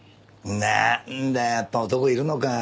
なんだやっぱ男いるのか。